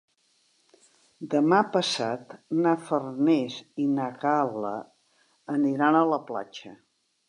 Demà passat na Farners i na Gal·la aniran a la platja.